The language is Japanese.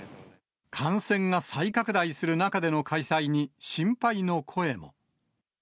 感染が再拡大する中での開催に、心配の声も。